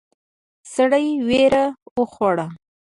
سړی وېره وخوړه.